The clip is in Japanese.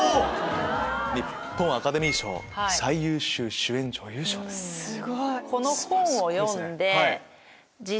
日本アカデミー賞最優秀主演女優賞です。